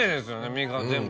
身が全部。